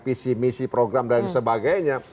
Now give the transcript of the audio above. visi misi program dan sebagainya